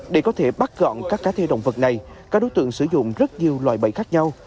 để có thể bắt gọn các cá thể động vật này các đối tượng sử dụng rất nhiều loại bẫy khác nhau